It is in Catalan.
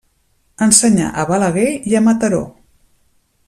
Ensenyà a Balaguer i a Mataró.